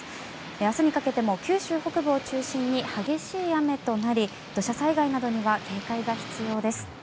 明日にかけても九州北部を中心に激しい雨となり土砂災害などには警戒が必要です。